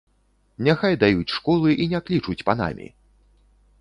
Няхай даюць школы і не клічуць панамі!